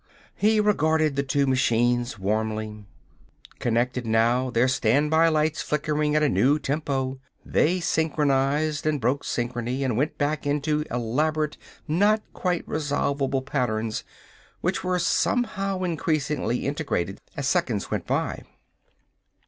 He regarded the two machines warmly. Connected, now, their standby lights flickered at a new tempo. They synchronized, and broke synchrony, and went back into elaborate, not quite resolvable patterns which were somehow increasingly integrated as seconds went by.